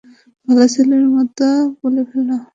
ভালো ছেলের মতো বলে ফেলো।